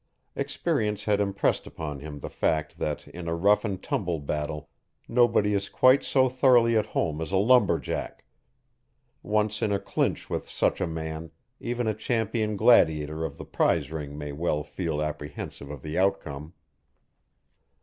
Experience had impressed upon him the fact that in a rough and tumble battle nobody is quite so thoroughly at home as a lumberjack; once in a clinch with such a man, even a champion gladiator of the prize ring may well feel apprehensive of the outcome.